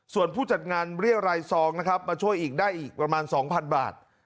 ส่วนผู้จัดงานเรียรายซองนะครับมาช่วยอีกได้อีกประมาณ๒๐๐บาท